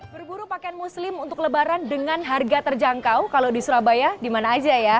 berburu pakaian muslim untuk lebaran dengan harga terjangkau kalau di surabaya dimana aja ya